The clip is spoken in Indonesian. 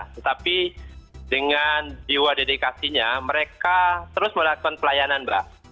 tetapi dengan jiwa dedikasinya mereka terus melakukan pelayanan mbak